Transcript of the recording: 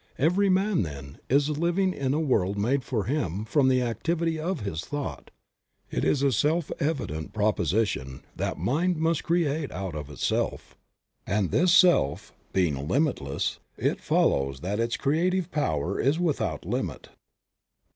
Every man, then, is living in a world made for him from the activity of his thought. It is a self evident proposition that Mind must create out of Itself ; and this Self being Limitless, it follows that its creative power is without limit.